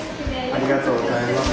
ありがとうございます。